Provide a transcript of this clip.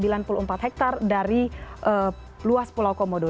jadi sekitar satu ratus lima puluh empat hektare dari luas pulau komodo